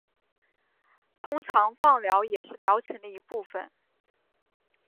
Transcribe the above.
通常放疗也是疗程的一部分。